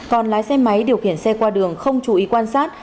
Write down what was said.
còn lái xe máy điều khiển xe qua đường không chú ý quan sát